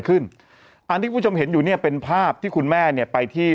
อันที่คุณผู้ชมเห็นอยู่เนี่ยเป็นภาพที่คุณแม่เนี่ยไปที่